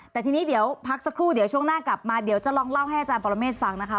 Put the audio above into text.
แต่ทีนี้เดี๋ยวพักสักครู่เดี๋ยวช่วงหน้ากลับมาเดี๋ยวจะลองเล่าให้อาจารย์ปรเมฆฟังนะคะ